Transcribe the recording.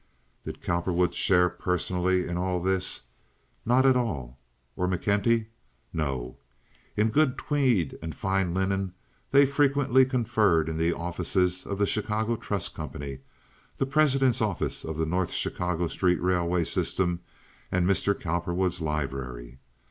Did Cowperwood share personally in all this? Not at all. Or McKenty? No. In good tweed and fine linen they frequently conferred in the offices of the Chicago Trust Company, the president's office of the North Chicago Street Railway System, and Mr. Cowperwood's library.